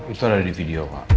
itu ada di video pak